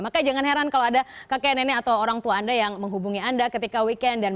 makanya jangan heran kalau ada kakek nenek atau orang tua anda yang menghubungi anda ketika weekend